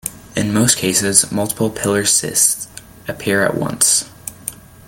In most cases, multiple pilar cysts appear at once.